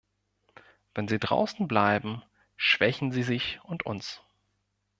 Wenn sie draußen bleiben, schwächen sie sich und uns.